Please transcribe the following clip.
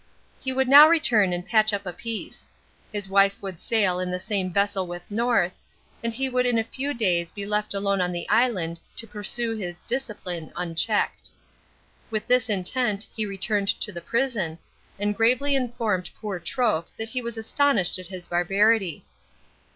He would now return and patch up a peace. His wife would sail in the same vessel with North, and he would in a few days be left alone on the island to pursue his "discipline" unchecked. With this intent he returned to the prison, and gravely informed poor Troke that he was astonished at his barbarity.